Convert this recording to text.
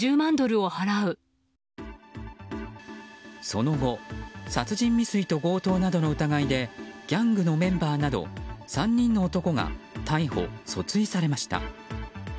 その後、殺人未遂と強盗などの疑いでギャングのメンバーなど３人の男が逮捕・訴追されました。